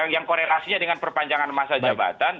yang korelasinya dengan perpanjangan masa jabatan